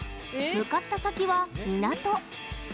向かった先は、港。